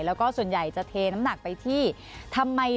แล้วก็ส่วนใหญ่จะเทน้ำหนักไปที่ทำไม